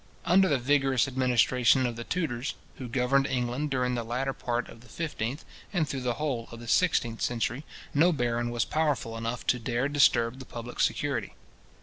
Under the vigorous administration of the Tudors, who governed England during the latter part of the fifteenth, and through the whole of the sixteenth century, no baron was powerful enough to dare to disturb the public security.